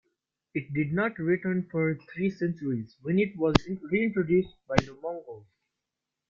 It did not return for three centuries, when it was reintroduced by the Mongols.